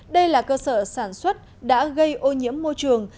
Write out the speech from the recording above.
đây là cơ sở sản xuất đã gây ô nhiễm môi trường